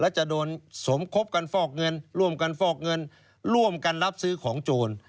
และจะโดนสมคบกันฟอกเงินร่วมกันฟอกเงินร่วมกันรับซื้อของโจร